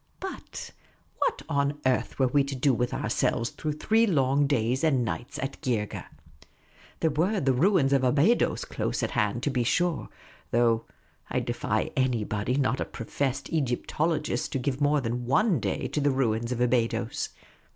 But what on earth were we to do with our selves through three long days and nights at Geergeh ? There were the ruins of Abydos close at hand, to be sure ; though I defy anybody not a professed Egyptologist to give more than one day to the ruins of Abydos.